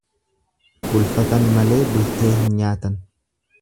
Bulfatan malee bultee hin nyaatan.